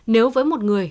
nếu với một người